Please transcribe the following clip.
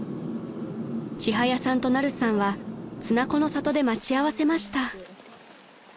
［ちはやさんとナルさんは綱子の里で待ち合わせました］